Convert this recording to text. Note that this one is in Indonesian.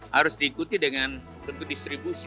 harus diikuti dengan tentu distribusi